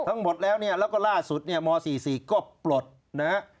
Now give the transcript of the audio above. ทั้งหมดแล้วเนี่ยแล้วก็ล่าสุดเนี่ยม๔๔ก็ปลดนะฮะ